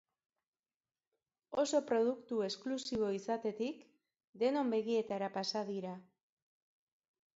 Oso produktu exklusibo izatetik, denon begietara pasa dira.